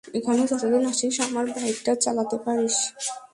এখানে যতদিন আছিস, আমার বাইকটা চালাতে পারিস।